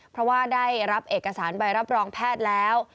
เพราะว่าได้รับเอกสารใบรับรองแพทย์แล้ว